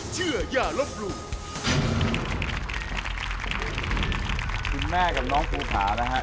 ทุกคนคุณแม่กับน้องภูพานะครับ